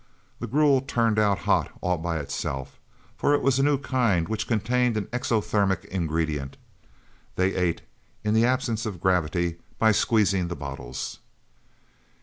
The gruel turned out hot all by itself. For it was a new kind which contained an exothermic ingredient. They ate, in the absence of gravity, by squeezing the bottles.